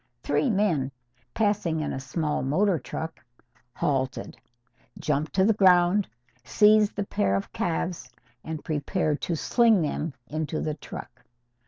Three men, passing in a small motor truck, halted, jumped to the ground, seized the pair of calves and prepared to sling them into the truck.